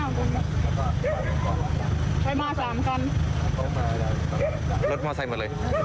ใช้มาสามกัน